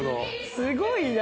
すごいな！